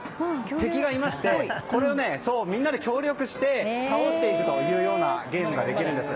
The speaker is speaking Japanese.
敵がいましてこれをみんなで協力して倒していくというようなゲームができるんです。